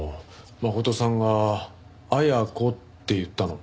真琴さんが「アヤコ」って言ったの。